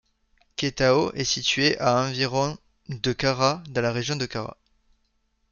Kétao est situé à environ de Kara, dans la région de la Kara.